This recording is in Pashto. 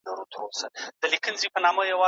آیا په دوبي کې د مېوو خوړل ډېر خوند ورکوي؟